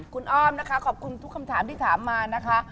คุณอ้อมนะคะขอบคุณทุกคำถามที่ถามมานะคะ